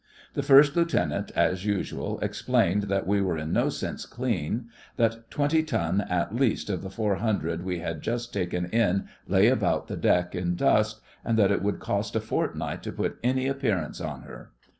The First Lieutenant, as usual, explained that we were in no sense clean; that twenty ton at least of the four hundred we had just taken in lay about the deck in dust, and that it would cost a fortnight to put any appearance on her.